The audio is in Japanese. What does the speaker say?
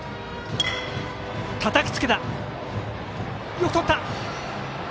よくとった。